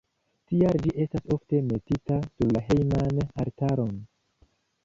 Tial ĝi estas ofte metita sur la hejman altaron.